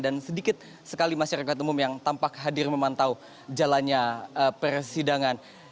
dan sedikit sekali masyarakat umum yang tampak hadir memantau jalannya persidangan